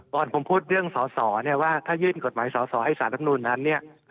ก่อนผมพูดเรื่องสอสอเนี่ยว่าถ้ายื่นกฎหมายสอสอให้สารรับนูนนั้นเนี่ย